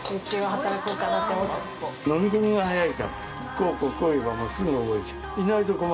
こうこうこう言えばすぐ覚えちゃう。